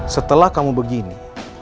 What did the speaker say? setelah kamu begini